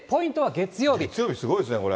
月曜日、すごいですね、これ。